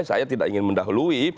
saya tidak ingin mendahului